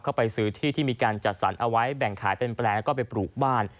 ไปซื้อที่ที่มีการจัดสรรเอาไว้แบ่งขายเป็นแปลงแล้วก็ไปปลูกบ้าน